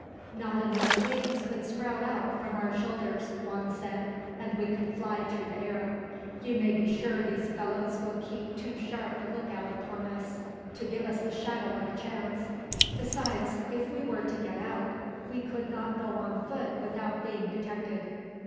"Not unless wings could sprout out from our shoulders," Juan said, "and we could fly through the air. You may be sure these fellows will keep too sharp a lookout upon us to give us the shadow of a chance; besides, if we were to get out, we could not go on foot without being detected.